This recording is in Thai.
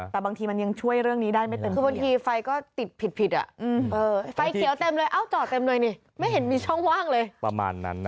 แต่บางทีมันยังช่วยเรื่องนี้ได้ไม่เต็ม